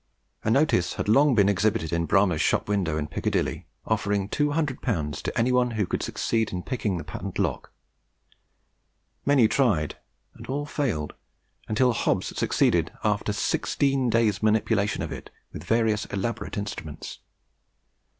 A notice had long been exhibited in Bramah's shop window in Piccadilly, offering 200L. to any one who should succeed in picking the patent lock. Many tried, and all failed, until Hobbs succeeded, after sixteen days' manipulation of it with various elaborate instruments.